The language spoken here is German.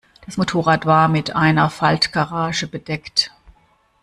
Das Motorrad war mit einer Faltgarage bedeckt.